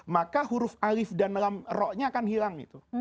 maka huruf alif dan lam ro nya akan hilang